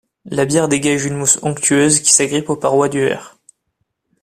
La bière dégage une mousse onctueuse qui s'agrippe aux parois du verre.